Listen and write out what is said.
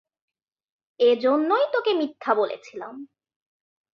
এজন্যই তোকে মিথ্যা বলেছিলাম।